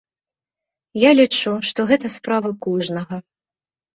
Я лічу, што гэта справа кожнага.